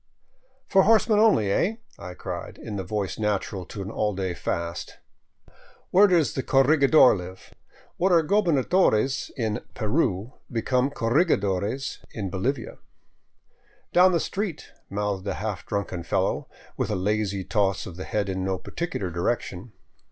For horsemen only, eh ?" I cried, in the voice natural to an all day fast. "Where does the corregidor live?" What are goberna dores in Peru become corregidores in Bolivia. "Down the street," mouthed a half drunken fellow, with a lazy toss of the head in no particular direction.